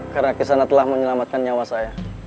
karena kisah anak telah menyelamatkan nyawa saya